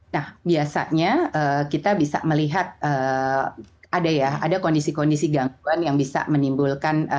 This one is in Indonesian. nah biasanya kita bisa melihat ada ya ada kondisi kondisi gangguan yang bisa menimbulkan